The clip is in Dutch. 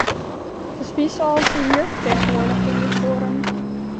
Dus wie zal ze hier vertegenwoordigen in dit forum?